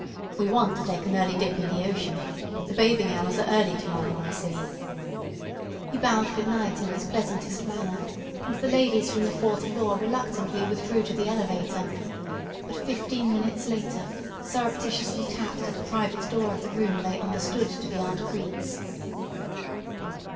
We want to take an early dip in the ocean. The bathing hours are early to morrow, I see." He bowed good night in his pleasantest manner, and the ladies from the fourth floor reluctantly withdrew to the elevator, but fifteen minutes later surreptitiously tapped at the private door of the room they understood to be Aunt Crete's.